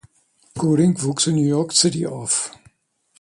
Gooding wuchs in New York City auf.